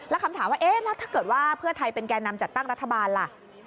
แล้วคำถามว่าถ้าเกิดว่าเพื่อไทยเป็นแกนำจัดตั้งรัฐบาล